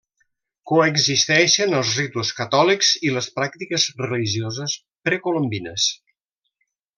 Coexisteixen els ritus catòlics i les pràctiques religioses precolombines.